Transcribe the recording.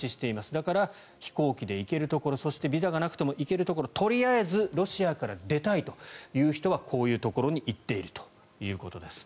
だから、飛行機で行けるところそしてビザがなくても行けるところとりあえずロシアから出たいという人はこういうところに行っているということです。